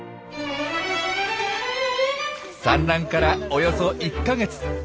産卵からおよそ１か月。